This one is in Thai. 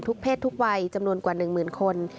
ทุกเพศทุกวัยจำนวนกว่าหนึ่งหมื่นคน